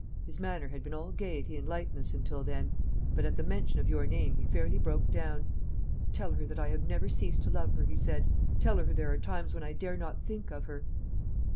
His manner had been all gaiety and lightness until then; but at the mention of your name he fairly broke down. 'Tell her that I have never ceased to love her,' he said; 'tell her there are times when I dare not think of her.'"